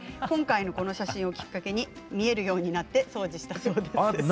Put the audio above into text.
今回の写真をきっかけに見えるようになって掃除したそうです。